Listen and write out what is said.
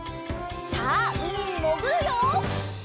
さあうみにもぐるよ！